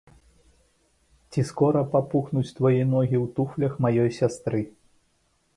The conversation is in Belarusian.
Ці скора папухнуць твае ногі ў туфлях маёй сястры?